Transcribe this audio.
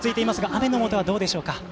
雨についてはどうでしょうか。